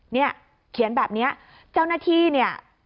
เนี่ยเขียนแบบนี้เจ้าหน้าที่เนี่ย